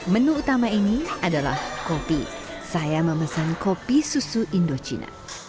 menu utama ini adalah kopi saya memesan kopi susu indochina